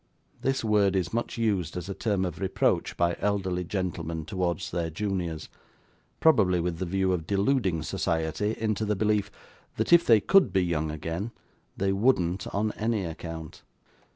This word is much used as a term of reproach by elderly gentlemen towards their juniors: probably with the view of deluding society into the belief that if they could be young again, they wouldn't on any account.